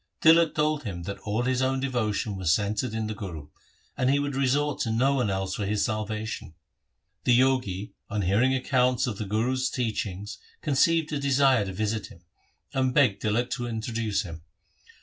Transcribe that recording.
Tilak told him that all his own devotion was centred in the Guru, and he would resort to no one else for his salvation. The Jogi on hearing accounts of the Guru's teachings conceived a desire to visit him, and begged Tilak to introduce him.